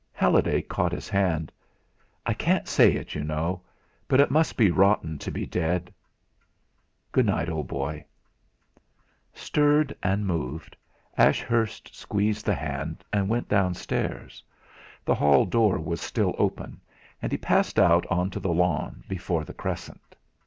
Halliday caught his hand. "I can't say it, you know; but it must be rotten to be dead. Good night, old boy!" Stirred and moved, Ashurst squeezed the hand, and went downstairs. The hall door was still open, and he passed out on to the lawn before the Crescent.